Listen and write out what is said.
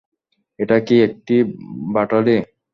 এটা কি একটা বাটালি?